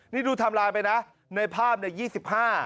นี่ดูไทม์ไลน์ไปนะในภาพเนี่ย๒๕